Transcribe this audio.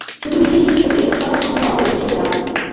শুধু বিশেষ বিশেষ ক্ষেত্রে উৎসর্গের সম্পূর্ণ অংশই ঈশ্বরকে দেওয়া হতো।